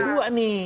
ya dua nih